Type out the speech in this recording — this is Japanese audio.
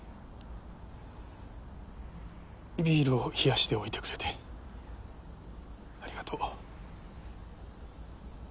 ビールを冷やしておいてくれてありがとう。